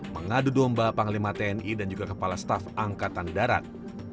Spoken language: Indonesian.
mengadu domba panglima tni dan juga kepala staf angkatan darat